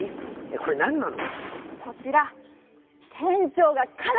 これなんなの？